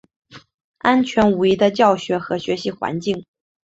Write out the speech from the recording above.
安全无虞的教学和学习环境